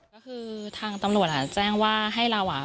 ก็คือทางตำรวจแจ้งว่าให้เราอ่ะ